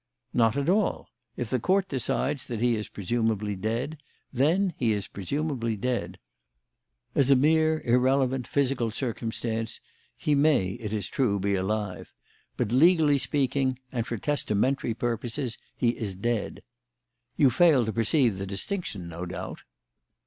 "Not at all. If the Court decides that he is presumably dead, then he is presumably dead. As a mere irrelevant, physical circumstance he may, it is true, be alive. But legally speaking, and for testamentary purposes, he is dead. You fail to perceive the distinction, no doubt?"